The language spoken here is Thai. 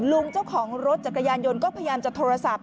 ลุงเจ้าของรถจักรยานยนต์ก็พยายามจะโทรศัพท์